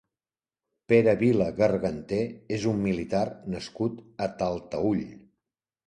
Pere Vila Garganté és un militar nascut a Talteüll.